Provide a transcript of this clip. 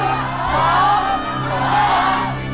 ธรรม